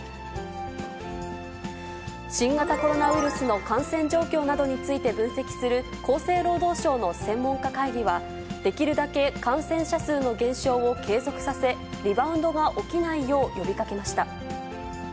新型コロナウイルスの感染状況などについて分析する厚生労働省の専門家会議は、できるだけ感染者数の減少を継続させ、リバウンドが起きないよう、呼びかけました。